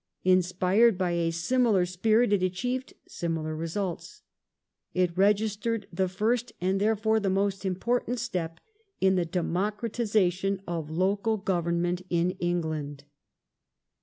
Inspired by a similar spirit it achieved similar results. It regis tered the first and therefore the most important step in the de mocratization of local Government in England.